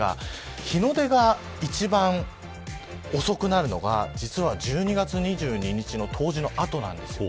日の出が一番遅くなるのが１２月２２日の冬至の後です。